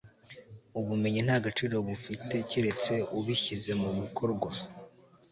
ubumenyi nta gaciro bufite keretse ubishyize mu bikorwa